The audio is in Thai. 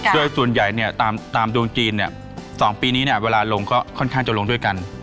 ด้วยส่วนใหญ่เนี่ยตามดวงจีนเนี่ย๒ปีนี้เนี่ยเวลาลงเราก็ค่อนข้างจะลงด้วยกัน